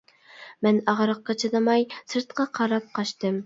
مەن ئاغرىققا چىدىماي سىرتقا قاراپ قاچتىم.